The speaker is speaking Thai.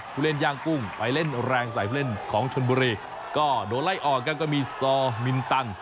ผู้เล่นย่างกุ้งไปเล่นแรงใส่ผู้เล่นของชนบุรีก็โดนไล่ออกครับก็มีซอมินตัน